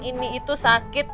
ini itu sakit